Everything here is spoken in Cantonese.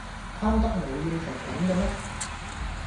貪得無厭成咁㗎咩